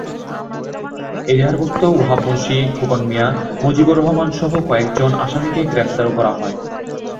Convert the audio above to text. এজাহারভুক্ত ওয়াহাব মুন্সী, খোকন মিয়া, মজিবর রহমানসহ কয়েকজন আসামিকে গ্রেপ্তারও করা হয়।